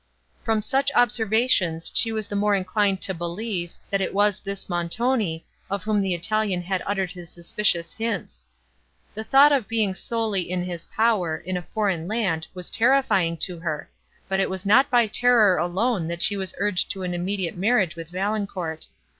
From such observations she was the more inclined to believe, that it was this Montoni, of whom the Italian had uttered his suspicious hints. The thought of being solely in his power, in a foreign land, was terrifying to her, but it was not by terror alone that she was urged to an immediate marriage with Valancourt.